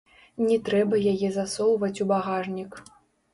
Не трэба яе засоўваць у багажнік.